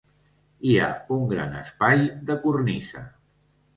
Hi ha un gran espai de cornisa.